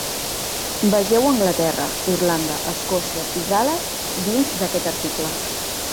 Vegeu Anglaterra, Irlanda, Escòcia i Gales dins d'aquest article.